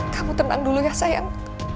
kamu tenang dulu ya sayang